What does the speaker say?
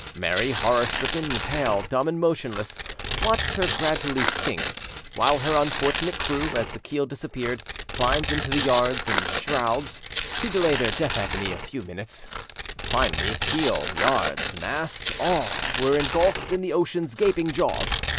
Mary, horror stricken, pale, dumb, and motionless, watched her gradually sink, while her unfortunate crew, as the keel disappeared, climbed into the yards and shrouds, to delay their death agony a few minutes; finally, keel, yards, masts, all were engulfed in the ocean's gaping jaws.